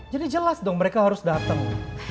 jadi jelas dong mereka harus datang